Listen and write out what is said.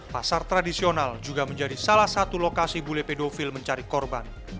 pasar tradisional juga menjadi salah satu lokasi bule pedofil mencari korban